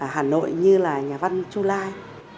hà nội như là nhà văn chu lai